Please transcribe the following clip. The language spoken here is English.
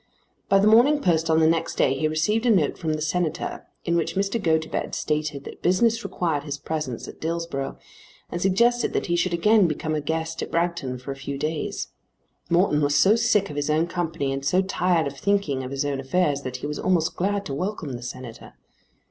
By the morning post on the next day he received a note from the Senator in which Mr. Gotobed stated that business required his presence at Dillsborough and suggested that he should again become a guest at Bragton for a few days. Morton was so sick of his own company and so tired of thinking of his own affairs that he was almost glad to welcome the Senator.